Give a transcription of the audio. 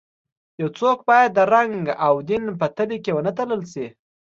یو څوک باید د رنګ او دین په تلې کې ونه تلل شي.